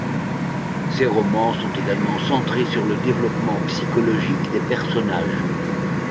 Ses romans sont également centrés sur le développement psychologique des personnages.